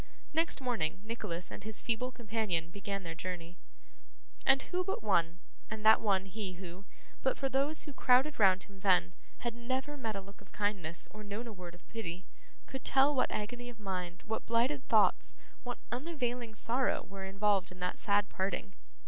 Next morning Nicholas and his feeble companion began their journey. And who but one and that one he who, but for those who crowded round him then, had never met a look of kindness, or known a word of pity could tell what agony of mind, what blighted thoughts, what unavailing sorrow, were involved in that sad parting?